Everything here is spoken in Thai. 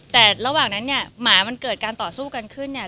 แต่ระหว่างนั้นเนี่ยหมามันเกิดการต่อสู้กันขึ้นเนี่ย